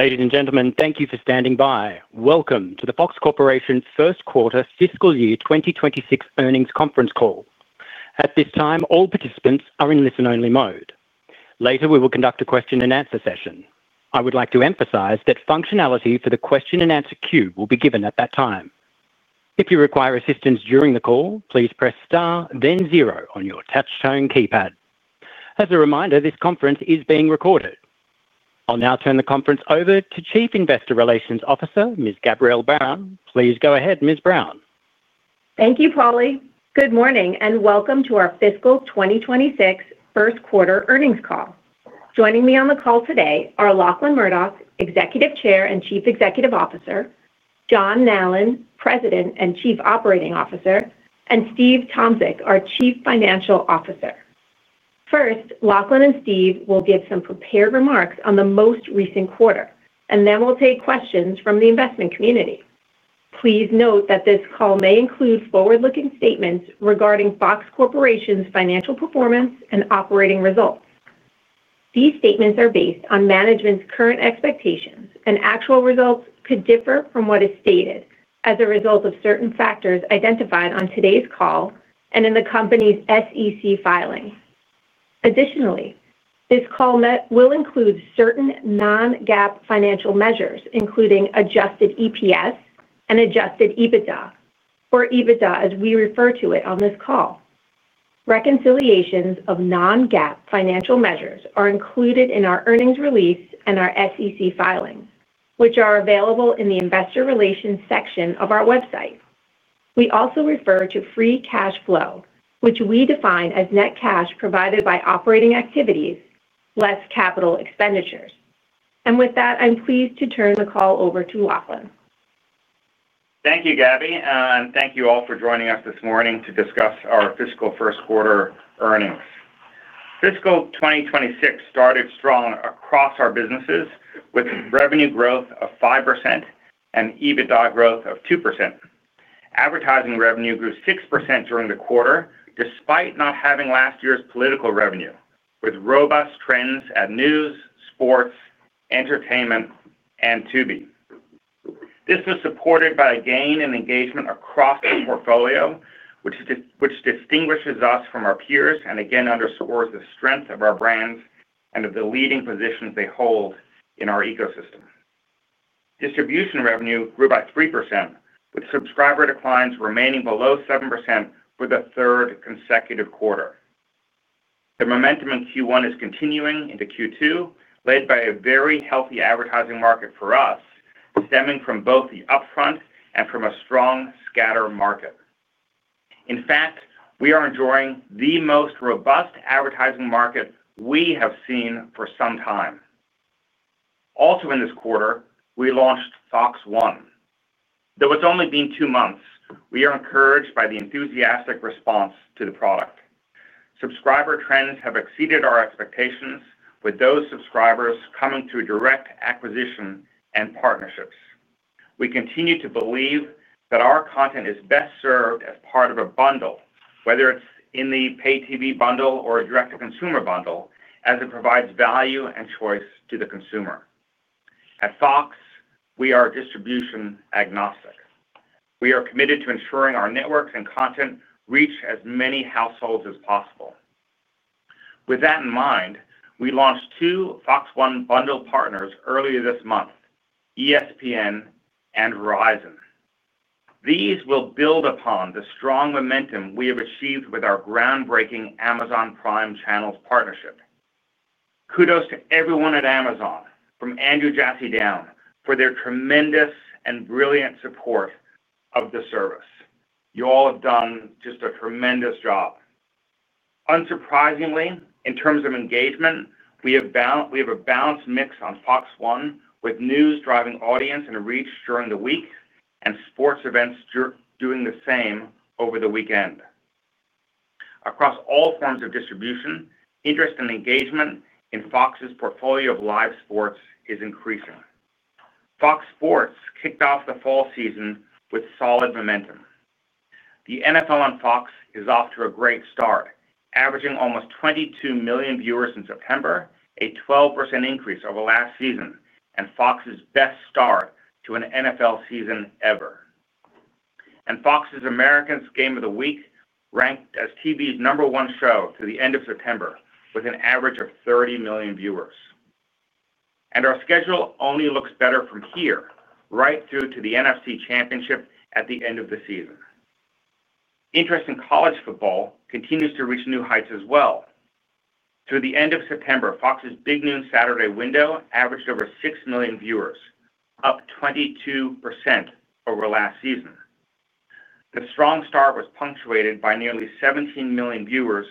Ladies and gentlemen, thank you for standing by. Welcome to the Fox Corporation First Quarter Fiscal Year 2026 Earnings Conference Call. At this time, all participants are in listen-only mode. Later, we will conduct a question and answer session. I would like to emphasize that functionality for the question and answer queue will be given at that time. If you require assistance during the call, please press star then zero on your touch-tone keypad. As a reminder, this conference is being recorded. I'll now turn the conference over to Chief Investor Relations Officer Ms. Gabrielle Brown. Please go ahead, Ms. Brown. Thank you, Paulie. Good morning and welcome to our fiscal 2026 first quarter earnings call. Joining me on the call today are Lachlan Murdoch, Executive Chair and Chief Executive Officer, John Nallen, President and Chief Operating Officer, and Steve Tomsic, our Chief Financial Officer. First, Lachlan and Steve will give some prepared remarks on the most recent quarter and then we'll take questions from the investment community. Please note that this call may include forward-looking statements regarding Fox Corporation's financial performance and operating results. These statements are based on management's current expectations and actual results could differ from what is stated as a result of certain factors identified on today's call and in the company's SEC filing. Additionally, this call will include certain non-GAAP financial measures, including adjusted EPS and adjusted EBITDA or EBITDA as we refer to it on this call. Reconciliations of non-GAAP financial measures are included in our earnings release and our SEC filings, which are available in the Investor Relations section of our website. We also refer to free cash flow, which we define as net cash provided by operating activities, less capital expenditures, and with that I'm pleased to turn the call over to Lachlan. Thank you, Gabby, and thank you all for joining us this morning to discuss our fiscal first quarter earnings. Fiscal 2026 started strong across our businesses with revenue growth of 5% and EBITDA growth of 2%. Advertising revenue grew 6% during the quarter despite not having last year's political revenue, with robust trends at news, sports, entertainment, and Tubi. This was supported by a gain in engagement across the portfolio, which distinguishes us from our peers and again underscores the strength of our brands and of the leading positions they hold in our ecosystem. Distribution revenue grew by 3% with subscriber declines remaining below 7% for the third consecutive quarter. The momentum in Q1 is continuing into Q2, led by a very healthy advertising market for us, stemming from both the upfront and from a strong scatter market. In fact, we are enjoying the most robust advertising market we have seen for some time. Also, in this quarter we launched Fox One. Though it's only been two months, we are encouraged by the enthusiastic response to the product. Subscriber trends have exceeded our expectations with those subscribers coming to direct acquisition and partnerships. We continue to believe that our content is best served as part of a bundle, whether it's in the pay TV bundle or direct-to-consumer bundle, as it provides value and choice to the consumer. At Fox, we are distribution agnostic. We are committed to ensuring our networks and content reach as many households as possible. With that in mind, we launched two Fox One bundle partners earlier this month, ESPN and Verizon. These will build upon the strong momentum we have achieved with our groundbreaking Amazon Prime Channels partnership. Kudos to everyone at Amazon, from Andrew Jassy down, for their tremendous and brilliant support of the service. You all have done just a tremendous job. Unsurprisingly, in terms of engagement, we have a balanced mix on Fox One with news driving audience and reach during the week and sports events doing the same over the weekend across all forms of distribution. Interest and engagement in Fox's portfolio of live sports is increasing. Fox Sports kicked off the fall season with solid momentum. The NFL on Fox is off to a great start, averaging almost 22 million viewers in September, a 12% increase over last season and Fox's best start to an NFL season ever. Fox's America's Game of the Week ranked as TV's number one show through the end of September with an average of 30 million viewers. Our schedule only looks better from here right through to the NFC Championship at the end of the season. Interest in college football continues to reach new heights as well. Through the end of September, Fox's Big Noon Saturday window averaged over 6 million viewers, up 22% over last season. The strong start was punctuated by nearly 17 million viewers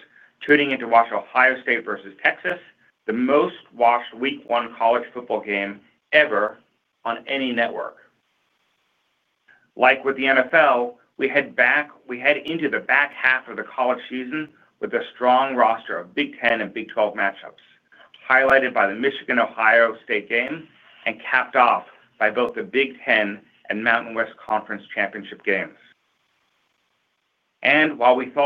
tuning in to watch Ohio State versus Texas, the most watched week one college football game ever on any network. Like with the NFL, we head into the back half of the college season with a strong roster of Big Ten and Big 12 matchups, highlighted by the Michigan Ohio State game and capped off by both the Big Ten and Mountain West Conference championship games.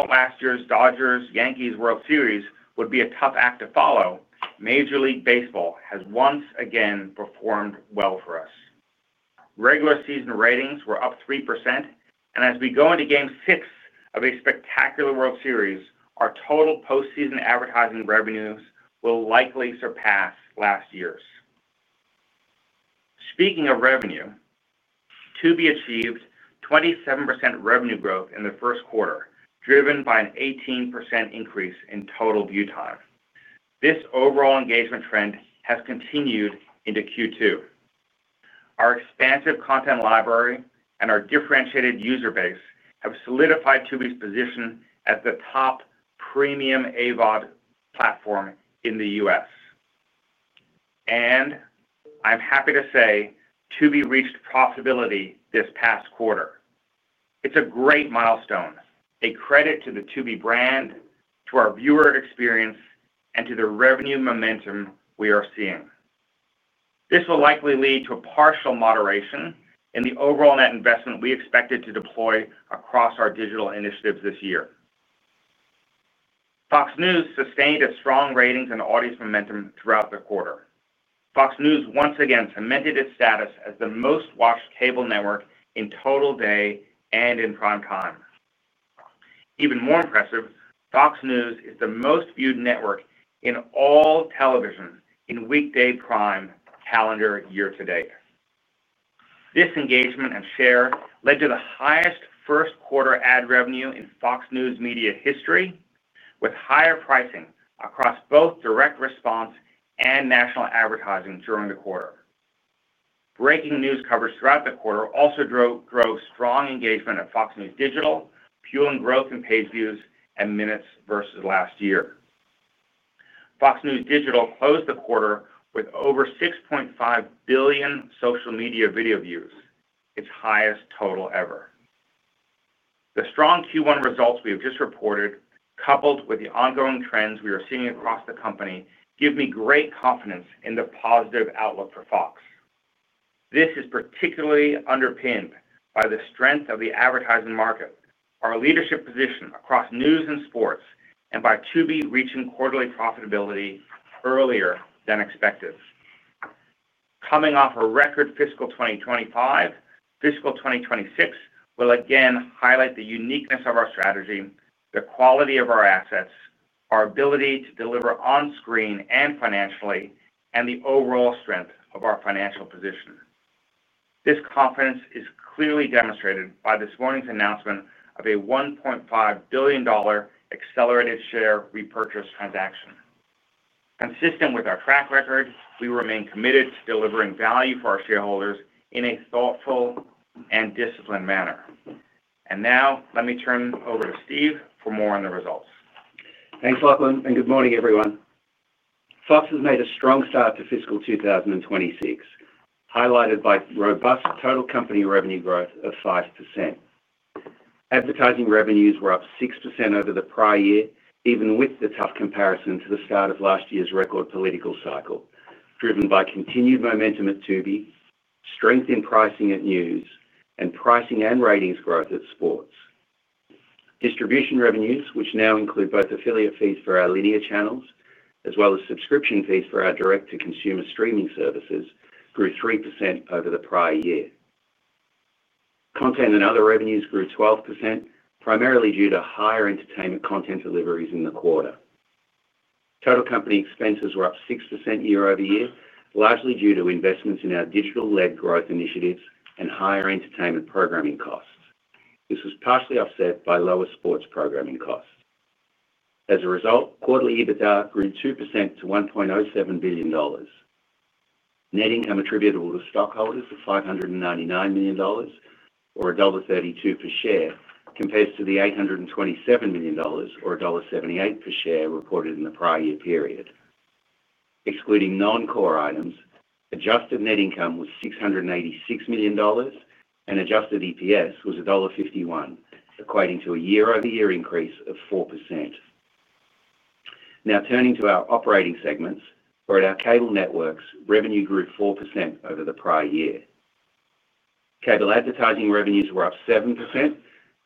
Last year's Dodgers Yankees World Series was a tough act to follow. Major League Baseball has once again performed well for us. Regular season ratings were up 3%, and as we go into Game 6 of a spectacular World Series, our total postseason advertising revenues will likely surpass last year's. Speaking of revenue, Tubi achieved 27% revenue growth in the first quarter driven by an 18% increase in total view time. This overall engagement trend has continued into Q2. Our expansive content library and our differentiated user base have solidified Tubi's position as the top premium AVOD platform in the U.S. Tubi reached profitability this past quarter. It's a great milestone, a credit to the Tubi brand, to our viewer experience, and to the revenue momentum we are seeing. This will likely lead to a partial moderation in the overall net investment we expected to deploy across our digital initiatives this year. Fox News sustained its strong ratings and audience momentum throughout the quarter. Fox News once again cemented its status as the most watched cable network in total day and in prime time. Even more impressive, Fox News is the most viewed network in all television in weekday prime calendar year to date. This engagement and share led to the highest first quarter ad revenue in Fox News Media history with higher pricing across both direct response and national advertising during the quarter. Breaking news coverage throughout the quarter also drove strong engagement at Fox News Digital, fueling growth in page views and minutes versus last year. Fox News Digital closed the quarter with over 6.5 billion social media video views, its highest total ever. The strong Q1 results we have just reported, coupled with the ongoing trends we are seeing across the company, give me great confidence in the positive outlook for Fox. This is particularly underpinned by the strength of the advertising market, our leadership position across news and sports, and by Tubi reaching quarterly profitability earlier than expected coming off a record fiscal 2025. Fiscal 2026 will again highlight the uniqueness of our strategy, the quality of our assets, our ability to deliver on screen and financially, and the overall strength of our financial position. This confidence is clearly demonstrated by this morning's announcement of a $1.5 billion accelerated share repurchase (ASR) transaction. Consistent with our track record, we remain committed to delivering value for our shareholders in a thoughtful and disciplined manner, and now let me turn over to Steve for more on the results. Thanks Lachlan and good morning everyone. Fox has made a strong start to fiscal 2026, highlighted by robust total company revenue growth of 5%. Advertising revenues were up 6% over the prior year, even with the tough comparison to the start of last year's record political cycle. Driven by continued momentum at Tubi, strength in pricing at news, and pricing and ratings growth at sports. Distribution revenues, which now include both affiliate fees for our linear channels as well as subscription fees for our direct to consumer streaming services, grew 3% over the prior year. Content and other revenues grew 12%, primarily due to higher entertainment content deliveries in the quarter. Total company expenses were up 6% year-over-year, largely due to investments in our digital led growth initiatives and higher entertainment programming costs. This was partially offset by lower sports programming costs. As a result, quarterly EBITDA grew 2% to $1.07 billion. Net income attributable to stockholders to $599 million or $1.32 per share compared to the $827 million or $1.78 per share reported in the excluding non core items, adjusted net income was $686 million and adjusted EPS was $1.51, equating to a year-over-year increase of 4%. Now turning to our operating segments, for our Cable Networks, revenue grew 4% over the prior year. Cable advertising revenues were up 7%,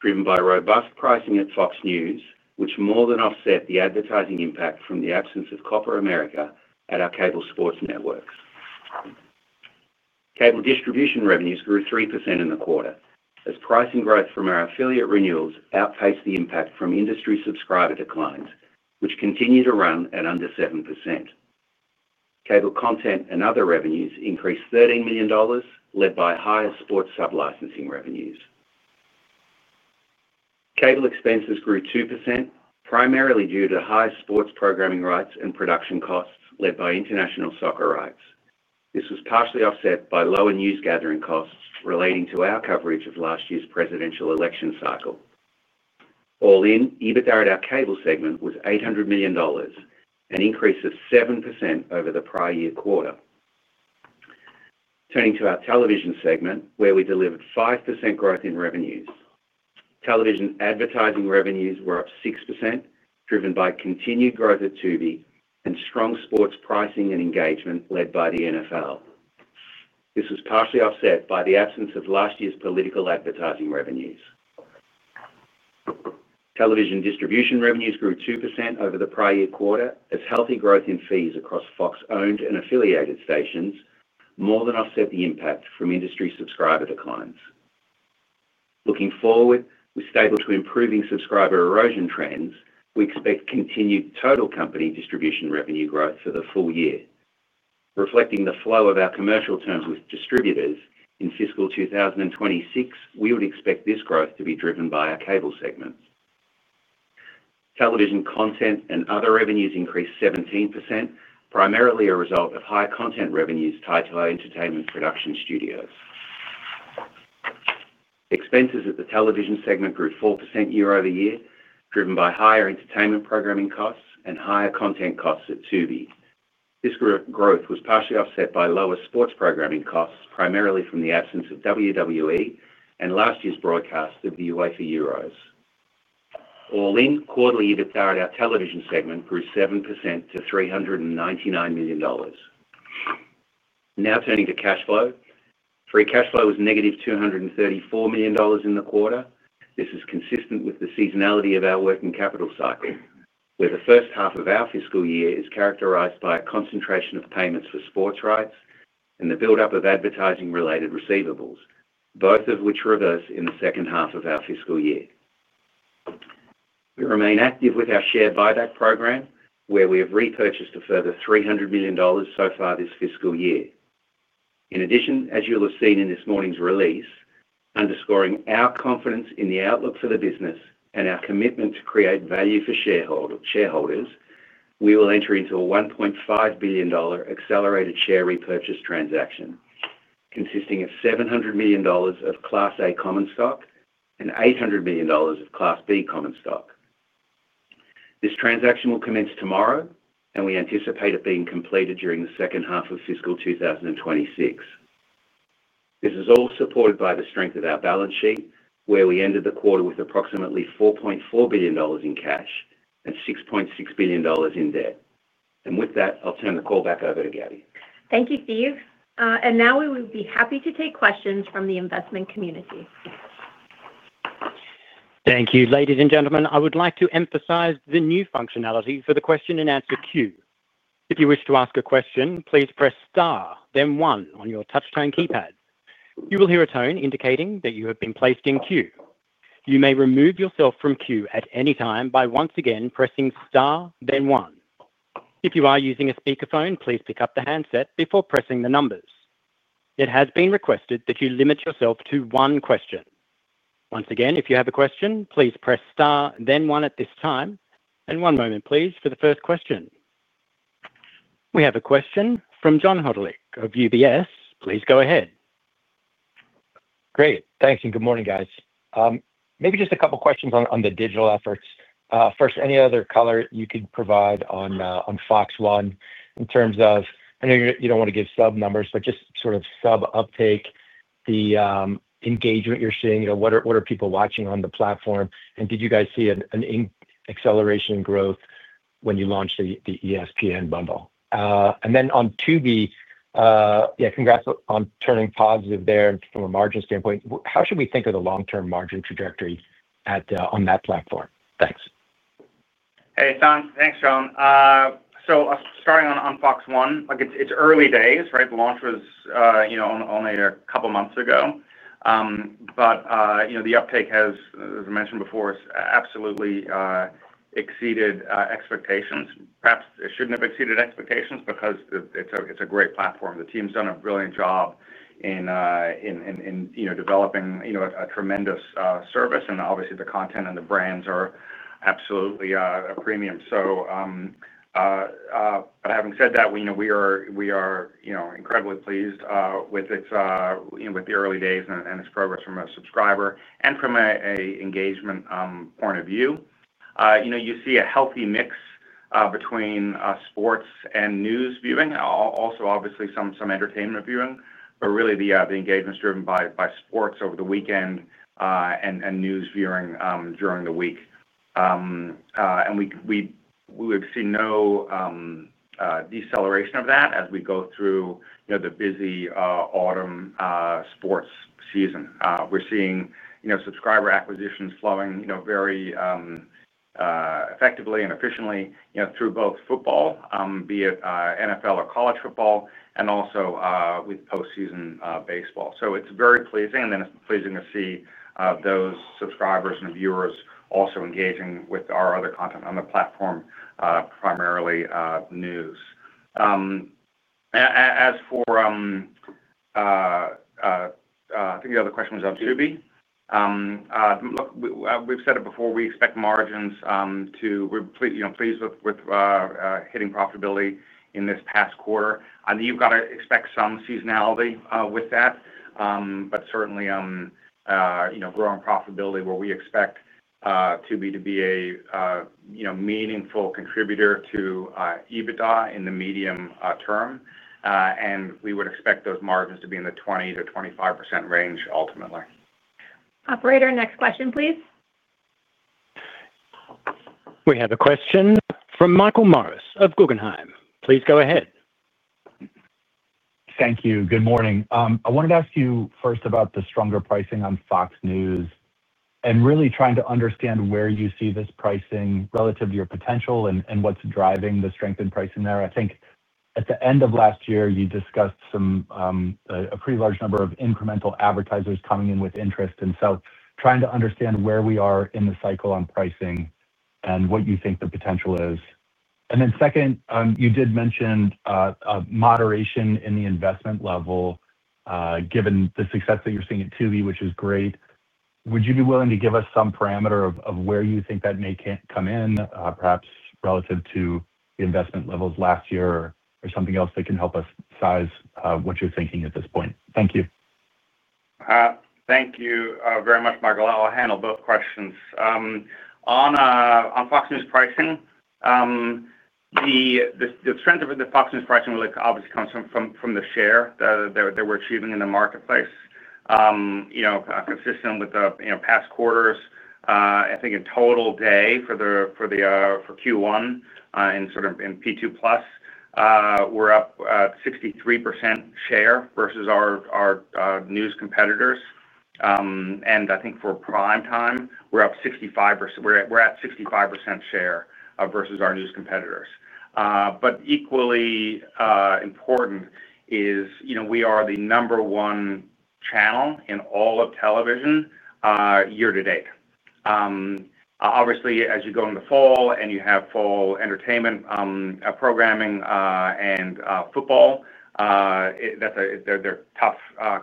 driven by robust pricing at Fox News, which more than offset the advertising impact from the absence of Copper America at our cable sports networks. Cable distribution revenues grew 3% in the quarter as pricing growth from our affiliate renewals outpaced the impact from industry subscriber declines, which continue to run at under 7%. Cable content and other revenues increased $13 million, led by higher sports sub licensing revenues. Cable expenses grew 2%, primarily due to high sports programming rights and production costs led by international soccer rights. This was partially offset by lower news gathering costs relating to our coverage of last year's presidential election cycle. All in, EBITDA at our Cable segment was $800 million, an increase of 7% over the prior year quarter. Turning to our television segment, where we delivered 5% growth in revenues, television advertising revenues were up 6%, driven by continued growth at Tubi and strong sports pricing and engagement led by the NFL. This was partially offset by the absence of last year's political advertising revenues. Television distribution revenues grew 2% over the prior year quarter, as healthy growth in fees across Fox owned and affiliated stations more than offset the impact from industry subscriber declines. Looking forward, with stable to improving subscriber erosion trends, we expect continued total company distribution revenue growth for the full year, reflecting the flow of our commercial terms with distributors in fiscal 2026. We would expect this growth to be driven by our cable segments. Television content and other revenues increased 17%, primarily as a result of high content revenues tied to our entertainment production studios. Expenses at the television segment grew 4% year-over-year, driven by higher entertainment programming costs and higher content costs at Tubi. This growth was partially offset by lower sports programming costs, primarily from the absence of WWE and last year's broadcast of the UEFA Euros. All in, quarterly EBITDA in our television segment grew 7% to $399 million. Now, turning to cash flow, free cash flow was negative $234 million in the quarter. This is consistent with the seasonality of our working capital cycle, where the first half of our fiscal year is characterized by a concentration of payments for sports rights and the buildup of advertising related receivables, both of which reverse in the second half of our fiscal year. We remain active with our share buyback program, where we have repurchased a further $300 million so far this fiscal year. In addition, as you'll have seen in this morning's release, underscoring our confidence in the outlook for the business and our commitment to create value for shareholders, we will enter into a $1.5 billion accelerated share repurchase (ASR) transaction consisting of $700 million of Class A common stock and $800 million of Class B common stock. This transaction will commence tomorrow, and we anticipate it being completed during the second half of fiscal 2026. This is all supported by the strength of our balance sheet, where we ended the quarter with approximately $4.4 billion in cash and $6.6 billion in debt. With that, I'll turn the call back over to Gabby. Thank you, Steve. We will be happy to take questions from the investment community. Thank you. Ladies and gentlemen, I would like to emphasize the new functionality for the question and answer queue. If you wish to ask a question, please press star then 1 on your touchtone keypad. You will hear a tone indicating that you have been placed in queue. You may remove yourself from queue at any time by once again pressing star then 1. If you are using a speakerphone, please pick up the handset before pressing the numbers. It has been requested that you limit yourself to one question. Once again, if you have a question, please press star then 1 at this time. One moment please. For the first question, we have a question from Jon Hollick of UBS. Please go ahead. Great. Thanks and good morning, guys. Maybe just a couple questions on the digital efforts first. Any other color you can provide on Fox One in terms of, I know you don't want to give sub numbers, but just sort of sub uptake, the engagement you're seeing, what are people watching on the platform? Did you guys see an acceleration in growth when you launched the ESPN bundle and then on Tubi? Yeah. Congrats on turning positive there. From a margin standpoint, how should we think of the long term margin trajectory on that platform? Thanks. Hey, thanks, Jon. Starting on Fox One, it's early days, right? The launch was only a couple months ago, but the uptake has, as I mentioned before, absolutely exceeded expectations. Perhaps it shouldn't have exceeded expectations because it's a great platform. The team's done a brilliant job in developing a tremendous service, and obviously the content and the brands are absolutely a premium. Having said that, we are incredibly pleased with the early days and its progress from a subscriber and from an engagement point of view, you see a healthy. Mix between sports and news viewing. Also, obviously some entertainment viewing, but really the engagement is driven by sports over the weekend and news viewing during the week. We've seen no deceleration of that. As we go through the busy autumn sports season, we're seeing subscriber acquisitions flowing very effectively and efficiently through both football, be it NFL or college football, and also with postseason baseball. It is very pleasing. It is also pleasing to see those subscribers and viewers engaging with our other content on the platform, primarily news. As for. I think the other question was on Tubi. We've said it before, we expect margins to, you know, be pleased with hitting profitability in this past quarter. You've got to expect some seasonality with this. Certainly growing profitability where we expect Tubi to be a meaningful contributor to EBITDA in the medium term. We would expect those margins to be in the 20%-25% range ultimately. Operator, next question, please. We have a question from Michael Morris of Guggenheim. Please go ahead. Thank you. Good morning. I wanted to ask you first about the stronger pricing on Fox News and really trying to understand where you see this pricing relative to your potential and what's driving the strength in pricing there. I think at the end of last year you discussed a pretty large number of incremental advertisers coming in with interest and trying to understand where we are in the cycle on pricing and what you think the potential is. Second, you did mention moderation in the investment level. Given the success that you're seeing at Tubi, which is great, would you be willing to give us some parameter of where you think that may come in, perhaps relative to the investment levels last year or something else that can help us size what you're thinking at this point. Thank you. Thank you very much, Michael. I'll handle both questions on Fox News pricing. The strength of the Fox News pricing. Really obviously comes from the share that we're achieving in the marketplace, you know, consistent with the past quarters. I think in total day for Q1 in P2+, we're up 63% share versus our news competitors. I think for prime time we're up 65%. We're at 65% share versus our news competitors. Equally important is, you know, we are the number one channel in all. Of television year to date. Obviously, as you go into fall and you have fall entertainment programming and football, they're tough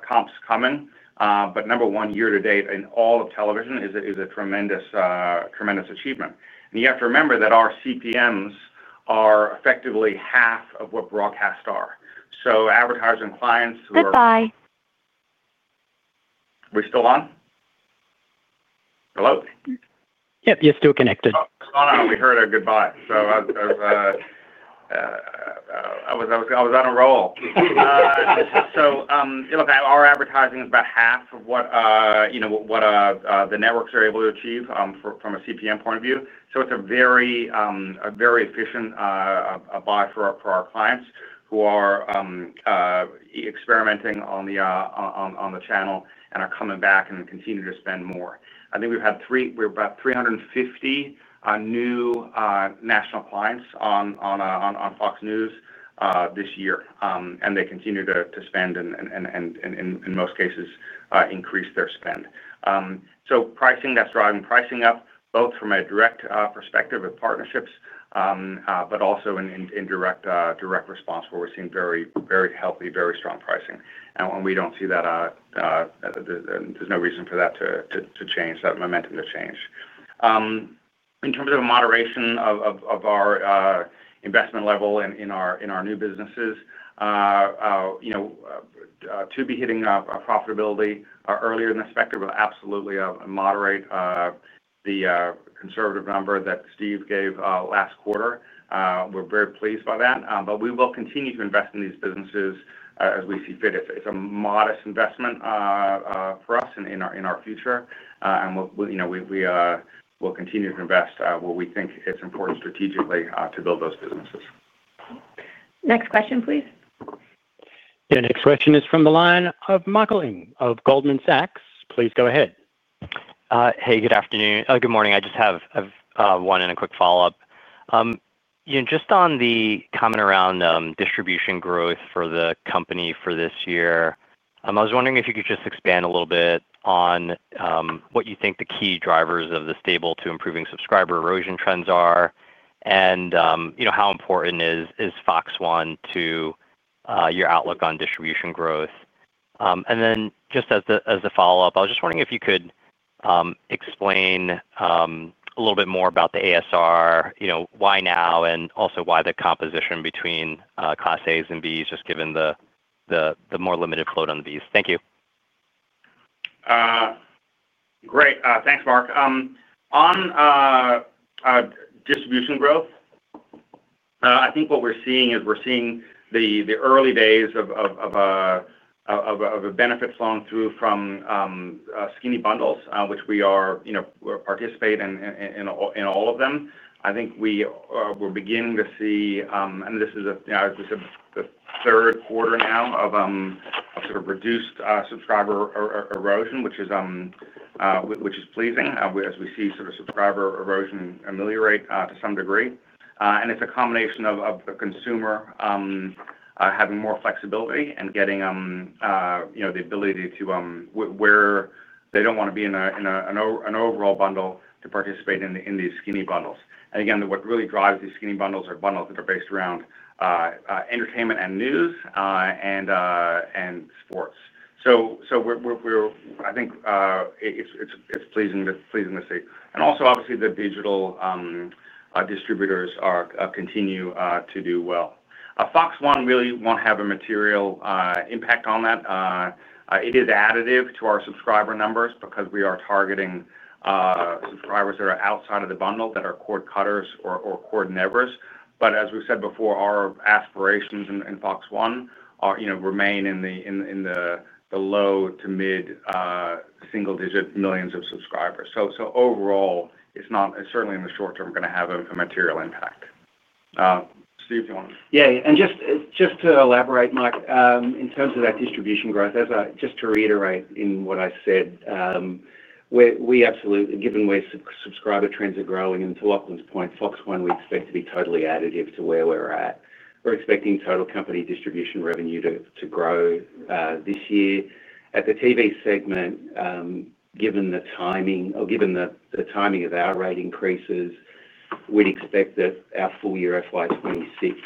comps coming. Number one year to date in all of television is a tremendous, tremendous achievement. You have to remember that our CPMs are effectively half of what broadcast's are. Advertisers and clients. Goodbye. We still on? Hello. Yep, you're still connected. We heard a goodbye, so I was on a roll. Our advertising is about half of what the networks are able to achieve from a CPM point of view, it's a very, very efficient buy for our clients who are experimenting on the channel and are coming back and continue to spend more. I think we've had three. We're at about 350 new national clients on Fox News this year, and they continue to spend and, in most cases, increase their spending. Pricing, that's driving pricing up both. From a direct perspective of partnerships but also in direct response where we're seeing very, very healthy, very strong pricing. When we don't see that, there's no reason for that to change thatmomentum to change in terms of moderation of our investment level in our new businesses. To be hitting profitability earlier in the spectrum will absolutely moderate the conservative number that Steve Tomsic gave last quarter. We're very pleased by that. We will continue to invest in these businesses as we see fit. It's a modest investment for us in our future, and we will continue to invest where we think it's important strategically to build those businesses. Next question, please. Your next question is from the line of Mike Ng of Goldman Sachs. Please go ahead. Hey, good afternoon, good morning. I just have one and a quick follow-up just on the comment around distribution growth for the company for this year. I was wondering if you could just expand a little bit on what you think the key drivers of the stable to improving subscriber erosion trends are. You know, how important is Fox One to your outlook on distribution growth? Just as a follow-up, I was wondering if you could explain a little bit more about the accelerated share repurchase (ASR) program, why now, and also why the composition between Class A's and B's, just given the more limited float on these. Thank you. Great, thanks, Mike. On distribution growth, I think what we're seeing is we're seeing the early days. A benefit is flowing through from skinny bundles, which we are, you know, participate in all of them. I think we're beginning to see, and this is the third quarter now of sort of reduced subscriber erosion, which is pleasing as we see subscriber erosion ameliorate to some degree. It's a combination of the consumer having more flexibility and getting the ability to, where they don't want to be in an overall bundle, to participate in these skinny bundles. What really drives these skinny bundles are bundles that are based around entertainment, news, and sports. I think it's pleasing to see. Also, obviously, the digital distributors continue to do well. Fox One really won't have a material impact on that. It is additive to our subscriber numbers. Because we are targeting subscribers that are outside of the bundle that are cord cutters or cord nevers. As we said before, our aspirations in Fox One remain in the low to mid single digit millions of subscribers. Overall, it's not certainly in the short term going to have a material impact. Steve? Yeah. Just to elaborate, Mike, in terms of that distribution growth, as I just to reiterate in what I said, we absolutely, given where subscriber trends are growing and to Lachlan's point, Fox One, we expect to be totally additive to where we're at. We're expecting total company distribution revenue to grow this year at the TV segment. Given the timing or given the timing of our rate increases, we'd expect that our full year FY 26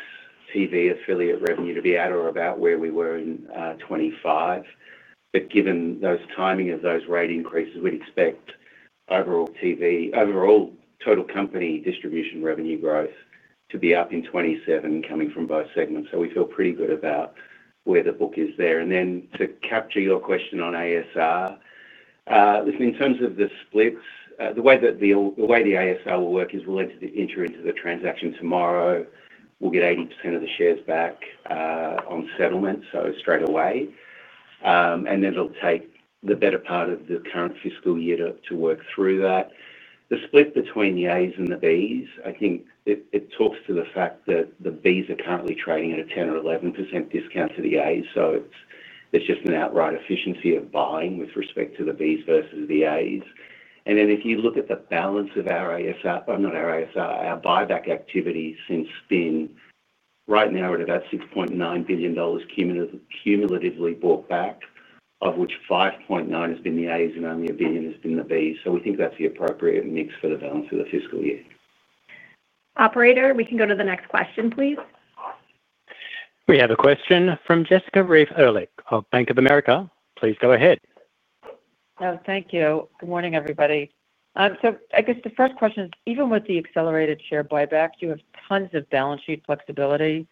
TV affiliate revenue to be at or about where we were in 2025. Given those timing of those rate increases, we'd expect overall TV overall total company distribution revenue growth to be up in 2027 coming from both segments. We feel pretty good about where the book is there. To capture your question on ASR in terms of the splits, the way that the way the ASR will work is we'll enter into the transaction tomorrow, we'll get 80% of the shares back on settlement straight away, and it'll take the better part of the current fiscal year to work through that. The split between the A's and the B's, I think it talks to the fact that the B's are currently trading at a 10% or 11% discount to the A's. There's just an outright efficiency of buying with respect to the B's versus the A's. If you look at the balance of our ASR, not our ASR, our buyback activity since spin, right now we're at about $6.9 billion cumulatively bought back, of which $5.9 billion has been the A's and only $1 billion has been the B's. We think that's the appropriate mix for the balance of the fiscal year. Operator, we can go to the next question, please. We have a question from Jessica Reif Ehrlich of Bank of America. Please go ahead. Thank you. Good morning, everybody. I guess the first question is even with the accelerated share repurchase (ASR) program, you have tons of balance sheet flexibility.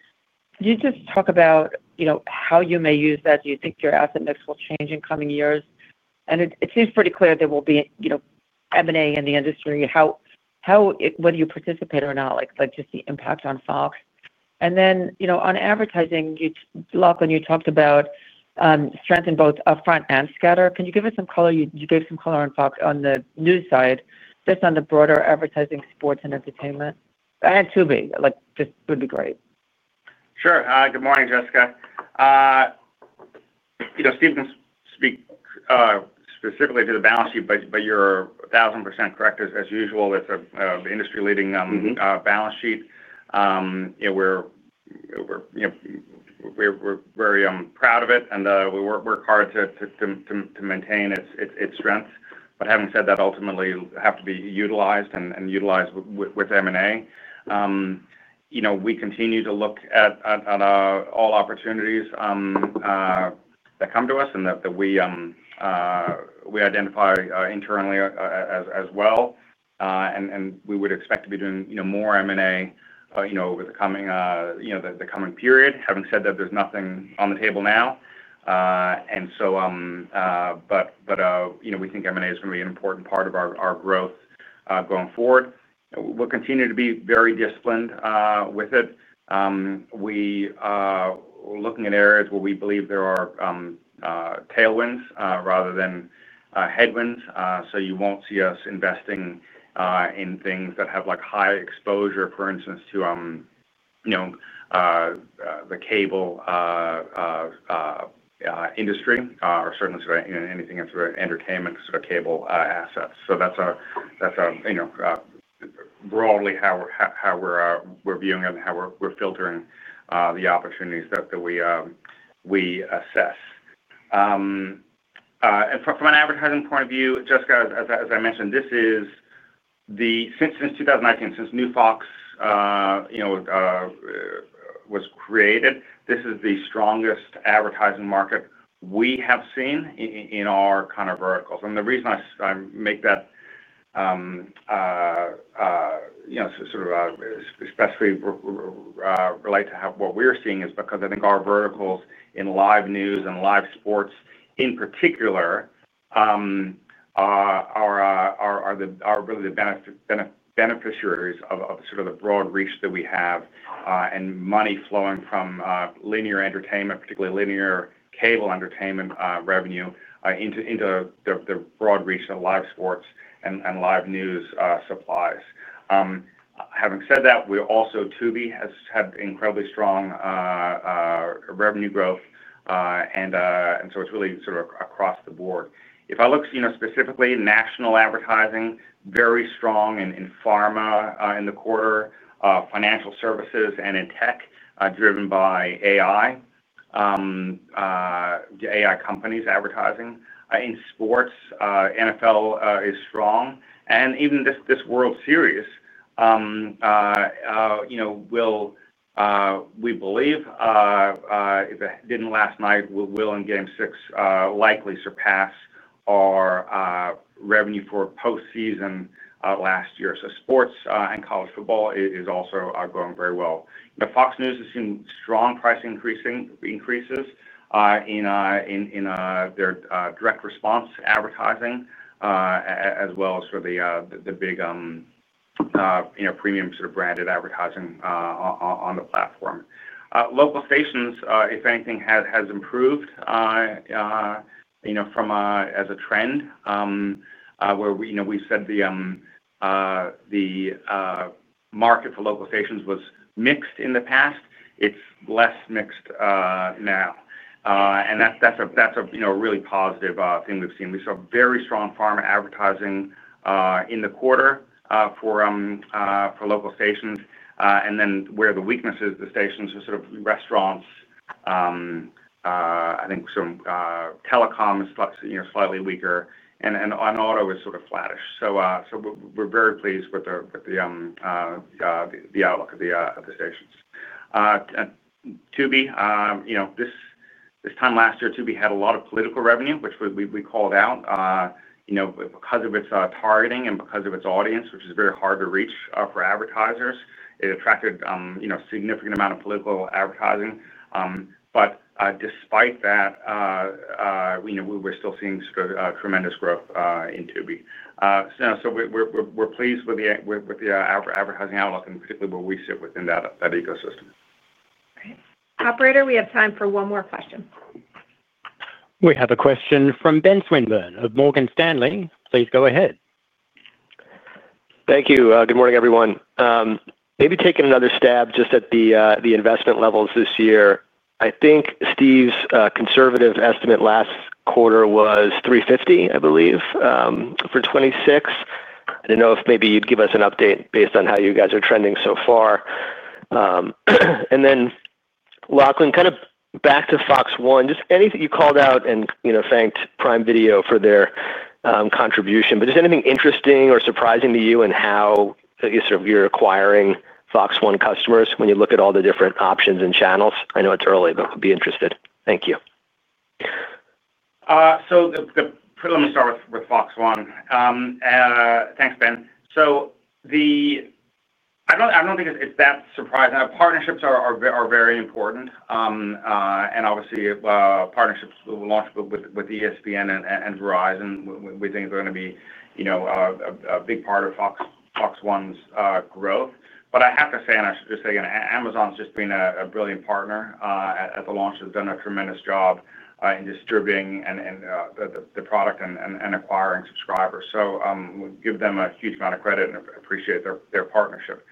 Could you just talk about how you may use that? Do you think your asset mix will change in coming years? It seems pretty clear there will be M&A activity in the industry. How, whether you participate or not, just the impact on Fox Corporation and then, you know, on advertising. Lachlan, you talked about strength in both upfront and scatter. Can you give us some color? You gave some color on Fox News on the news side, just on the broader advertising, sports and entertainment. And Tubi, like this would be great. Sure. Good morning, Jessica. You know, Steve, to speak specifically to the balance sheet, but you're 1000% correct as usual. It's an industry-leading balance sheet. We're very proud of it, and we work hard to maintain its strength. Having said that, ultimately it has to be utilized and utilized with M&A activity. You know, we continue to look atall opportunities that come to us and that we identify internally as well. We would expect to be doing more M&A activity over the coming period. Having said that, there's nothing on the table now, but we think M&A activity is going to be. An important part of our growth going forward. We will continue to be very disciplined with it. We are looking at areas where we believe there are tailwinds rather than headwinds. You will not see us investing in things that have high exposure, for instance, to the cable industry or certainly anything entertainment, sort of cable assets. That is broadly how we are viewing it and how we are filtering the opportunities that we assess. From an advertising point of view, Jessica, as I mentioned, this is the first time since 2019, since New Fox was created. This is the strongest advertising market we have seen in our verticals. The reason I make that. You know. Especially relate to what we're seeing is because I think our verticals in live news and live sports in particular. Are really the beneficiaries of sort of the broad reach that we have, and money flowing from linear entertainment, particularly linear cable entertainment revenue, into the broad reach of live sports and live news supplies. Having said that, we also Tubi has had incredibly strong revenue growth, and it's really sort of across the board. If I look specifically at national advertising, very. Strong in pharma in the quarter, financial Services and in tech, driven by AI. AI companies. Advertising in sports, NFL is strong. Even this World Series. We believe if it did last night, in Game 6, it will likely surpass our revenue for postseason last year. Sports and college football is also going very well. Fox News has seen strong price increases. In their direct response advertising as well as for the big premium, sort of branded advertising on the platform. Local stations, if anything, has improved as a trend. Where we said the market for local stations was mixed in the past. It's less mixed now, and that's a really positive thing. We've seen, we saw very strong pharma Advertising in the quarter for local stations. The weaknesses at the stations are sort of restaurants. I think some telecom is slightly weaker, and on auto it is sort of flattish. We are very pleased with the outlook of the stations. Tubi, you know, this time last year Tubi had a lot of political revenue. Which we called out, you know, because of its targeting and because of its audience, which is very hard to reach for advertisers. It attracted, you know, significant amount of political advertising. Despite that, we're still seeing tremendous growth in Tubi. We are pleased with the advertising outlook and particularly where we sit within that ecosystem. Operator, we have time for one more question. We have a question from Ben Swinburne of Morgan Stanley. Please go ahead. Thank you. Good morning everyone. Maybe taking another stab just at the investment levels this year. I think Steve's conservative estimate last quarter was $350 million, I believe, for 2026. I don't know if maybe you'd give us an update based on how you guys are trending so far. Lachlan, kind of back to Fox One, just anything you called out and thanked Amazon Prime Channels for their contribution, but is there anything interesting or surprising to you in how you're acquiring Fox One customers? When you look at all the different options and channels, I know it's early, but we'll be interested. Thank you. Let me start with Fox One. Thanks, Ben. I don't think it's that surprising. Partnerships are very important. Obviously, partnerships will launch with ESPN and Verizon. We think they're going to be a big part of Fox One's growth. I have to say, and I. Should just say Amazon Prime Channels has just been a brilliant partner at the launch, has done a tremendous job in distributing the product and acquiring subscribers. Give them a huge amount of credit and appreciate their partnership.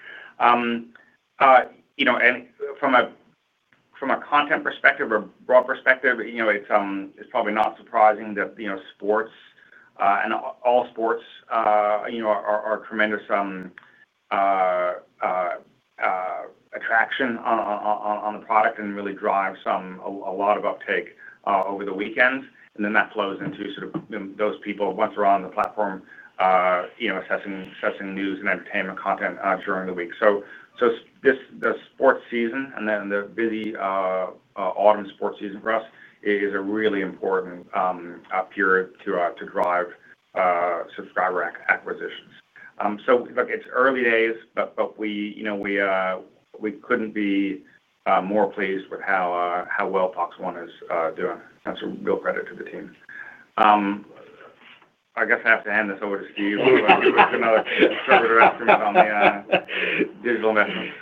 You know, from a content perspective. Broad perspective, you know, it's probably not surprising that sports and all sports are tremendous. Attraction on the product Really drive a lot of uptake over the weekends, and that flows into those people once they're on the platform accessing news and entertainment content during the week. The sports season and then the Busy autumn sports season for us is a really important period to drive subscriber acquisitions. It's early days, but we You know, we couldn't be more pleased with how well Fox One is doing. That's a real credit to the team. I guess I have to hand this over to Steve. Yeah.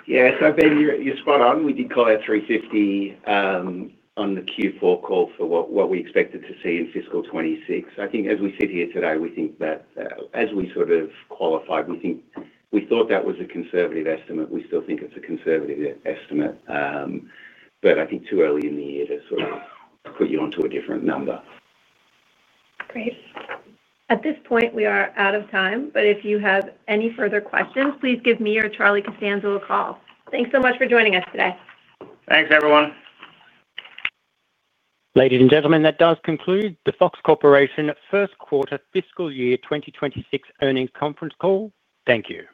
You're spot on. We did call out 350 on the Q4 call for what we expected to see in fiscal 2026. I think as we sit here today, we think that as we sort of qualify, we thought that was a conservative estimate. We still think it's a conservative estimate, but I think it's too early in the year to sort of put you onto a different number. Great. At this point we are out of time, but if you have any further questions, please give me or Charlie Costanzo a call. Thanks so much for joining us today. Thanks, everyone. Ladies and gentlemen, that does conclude the Fox Corporation First Quarter Fiscal Year 2026 Earnings Conference Call. Thank you.